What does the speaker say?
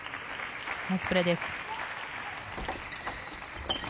ナイスプレーです。